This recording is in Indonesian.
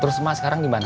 terus ma sekarang gimana